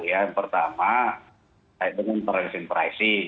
yang pertama dengan pricing pricing